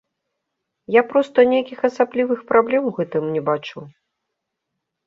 Я проста нейкіх асаблівых праблем у гэтым не бачыў.